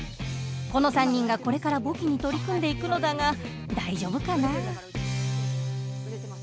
この３人がこれから簿記に取り組んでいくのだが大丈夫かな。